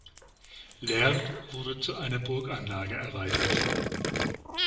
Laird wurde es zu einer Burganlage erweitert.